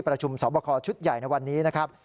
ประชุมสอบคอชุดใหญ่ในวันนี้นะครับ